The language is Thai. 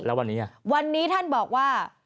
แล้ววันนี้อ่ะวันนี้ท่านบอกว่า